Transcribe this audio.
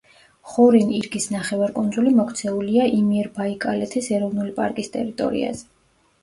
ხორინ-ირგის ნახევარკუნძული მოქცეულია იმიერბაიკალეთის ეროვნული პარკის ტერიტორიაზე.